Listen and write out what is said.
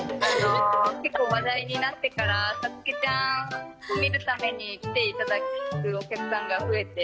結構話題になってから、さつきちゃんを見るために来ていただくお客さんが増えて。